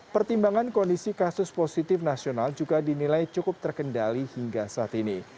pertimbangan kondisi kasus positif nasional juga dinilai cukup terkendali hingga saat ini